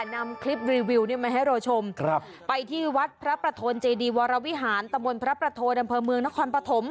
นำคลิปรีวิวมาให้เราชมไปที่วัดพระประทนเจดีวรวิหารตะมนต์พระประโทอำเภอเมืองนครปฐม